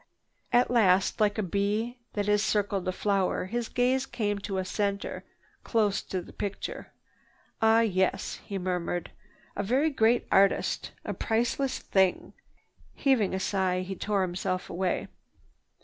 At last, like a bee that has circled a flower, his gaze came to a center close to the picture. "Ah yes," he murmured. "A very great artist. A priceless thing!" Heaving a sigh, he tore himself away.